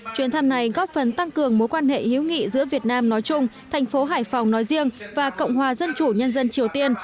chuyến thăm này góp phần tăng cường mối quan hệ hiếu nghị giữa việt nam nói chung thành phố hải phòng nói riêng và cộng hòa dân chủ nhân dân triều tiên